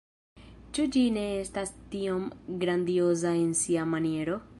Ĉu ĝi ne estas tiom grandioza en sia maniero?